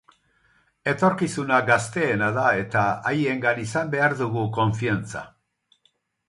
Etorkizuna gazteena da eta haiengan izan behar dugu konfiantza.